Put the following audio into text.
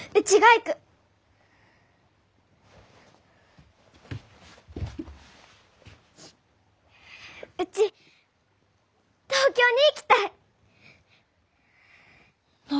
うち東京に行きたい！